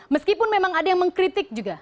meskipun memang ada yang mengkritik juga